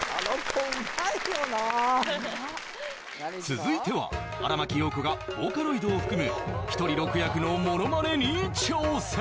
続いては荒牧陽子がボーカロイドを含む１人６役のものまねに挑戦